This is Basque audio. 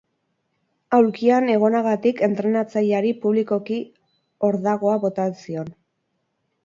Aulkian egonagatik entrenatzaileari publikoki hordagoa bota zion.